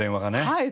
はい。